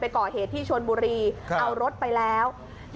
เป็นก่อเหตุที่ชนบุรีเอารถไปแล้วค่ะ